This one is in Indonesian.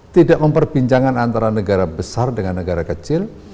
tidak memperbincangkan antara negara besar dengan negara kecil